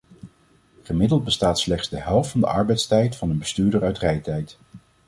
Gemiddeld bestaat slechts de helft van de arbeidstijd van een bestuurder uit rijtijd.